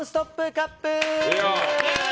カップ。